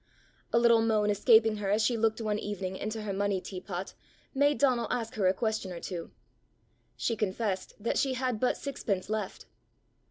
A little moan escaping her as she looked one evening into her money teapot, made Donal ask her a question or two. She confessed that she had but sixpence left.